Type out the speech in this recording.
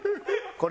これ。